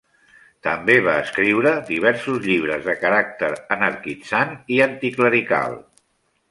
També va escriure diversos llibres de caràcter anarquitzant i anticlerical.